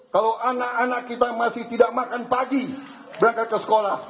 kalau anak anak kita masih tidak makan pagi berangkat ke sekolah